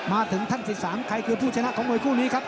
มาถึงท่าน๑๓ใครคือผู้ชนะของมวยคู่นี้ครับ